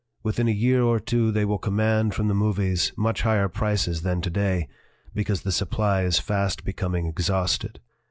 Within a year or two they will command from the movies much higher prices than to day, because the supply is fast becoming exhausted."